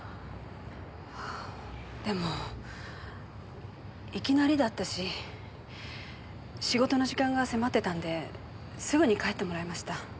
でもいきなりだったし仕事の時間が迫ってたんですぐに帰ってもらいました。